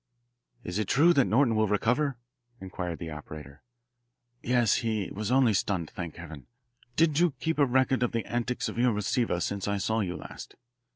"Is it true that Norton will recover?" inquired the operator. "Yes. He was only stunned, thank Heaven! Did you keep a record of the antics of your receiver since I saw you last?"